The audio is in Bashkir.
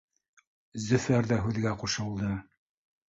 Зөфәр ҙә һүҙгә ҡушылды: